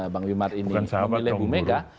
bang wimart ini memilih bumega